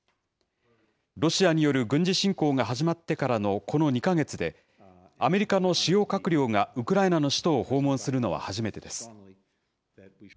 ロシアによる軍事侵攻が始まってからのこの２か月で、アメリカの主要閣僚がウクライナの首都を訪問するのは初めてです。